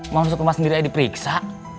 mau masuk ke rumah sendiri aja diperiksa